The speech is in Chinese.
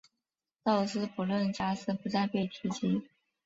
道斯普伦加斯不再被提及。